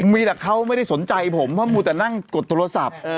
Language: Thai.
มีแต่เขาไม่ได้สนใจผมเพราะมูแต่นั่งกดโทรศัพท์